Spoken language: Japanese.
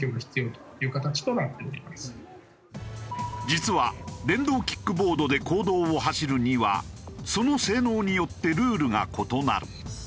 実は電動キックボードで公道を走るにはその性能によってルールが異なる。